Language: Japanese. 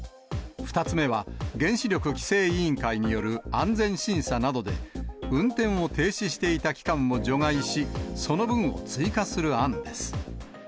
２つ目は、原子力規制委員会による安全審査などで、運転を停止していた期間を除外し、その分を追加する案です。